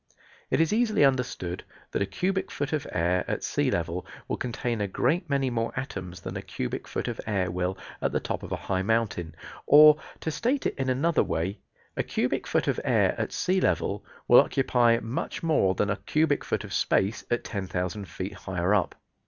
It is easily understood that a cubic foot of air at sea level will contain a great many more atoms than a cubic foot of air will at the top of a high mountain; or, to state it in another way, a cubic foot of air at sea level will occupy much more than a cubic foot of space 10,000 feet higher up.